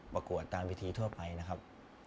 ประกวดตามวิธีทั่วไปนะครับ